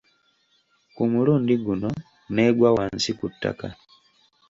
Ku mulundi guno n'egwa wansi ku ttaka.